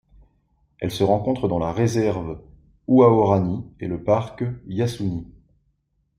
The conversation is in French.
Elle se rencontre dans la réserve Huaorani et le parc national Yasuni.